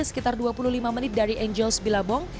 sekitar dua puluh lima menit dari angels bilabong